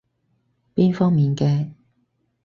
邊方面嘅？